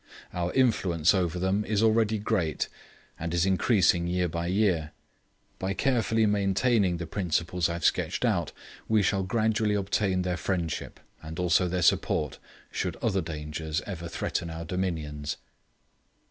Our influence over them is already great, and is increasing year by year. By carefully maintaining the principles I have sketched out, we shall gradually obtain their friendship, and also their support, should other dangers ever threaten our dominions.